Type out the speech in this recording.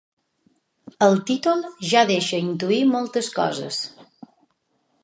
El títol ja deixa intuir moltes coses.